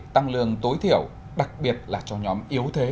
tăng lương tối thiểu đặc biệt là cho nhóm yếu thế